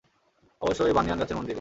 অবশ্যই বানয়ান গাছের মন্দিরে।